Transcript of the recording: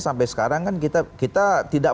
sampai sekarang kan kita tidak